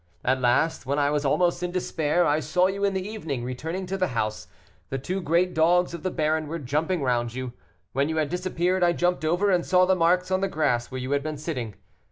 At last, when I was almost in despair, I saw you in the evening returning to the house; the two great dogs of the baron were jumping round you. When you had disappeared, I jumped over, and saw the marks on the grass where you had been sitting.